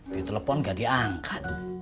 ditelepon gak diangkat